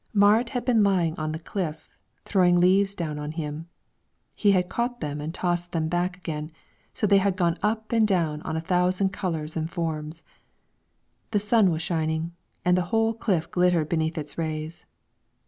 Marit had been lying on the cliff, throwing leaves down on him; he had caught them and tossed them back again, so they had gone up and down in a thousand colors and forms; the sun was shining, and the whole cliff glittered beneath its rays.